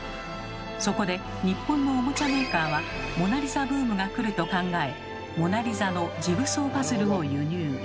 そこで日本のおもちゃメーカーは「モナリザ」ブームが来ると考え「モナリザ」のジグソーパズルを輸入。